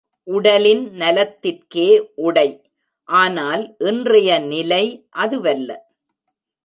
உடலின் நலத்திற்கே உடை ஆனால் இன்றைய நிலை... அதுவல்ல.